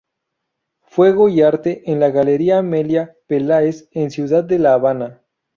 Fuego y arte, en la Galería Amelia Peláez, en Ciudad de La Habana.